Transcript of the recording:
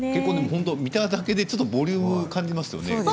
本当に見ただけでボリューム感じますね。